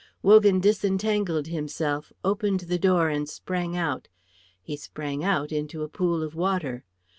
Wogan disentangled himself, opened the door, and sprang out. He sprang out into a pool of water.